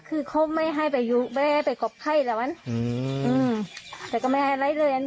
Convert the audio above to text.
คือเขาไม่ให้ไปยุไม่ให้ไปกบไข้แล้วมันอืมแต่ก็ไม่ให้อะไรเลย